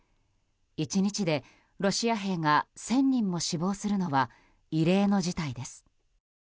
１日でロシア兵が１０００人も死亡するのは異例の事態です。